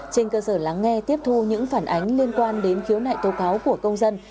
trên cơ sở lắng nghe tiếp thu những phản ánh liên quan đến khiếu nại tố cáo của công dân